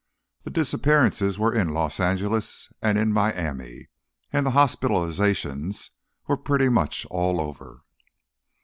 The disappearances were in Los Angeles and in Miami, and the hospitalizations were pretty much all over.